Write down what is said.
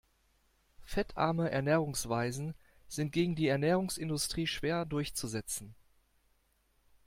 Fettarme Ernährungsweisen sind gegen die Ernährungsindustrie schwer durchzusetzen.